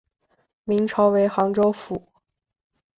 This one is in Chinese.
明朝为杭州府。